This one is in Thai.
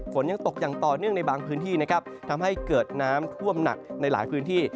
ฝนยังตกอย่างต่อเนื่องในบางพื้นที่นะครับทำให้เกิดน้ำท่วมหนักในหลายพื้นที่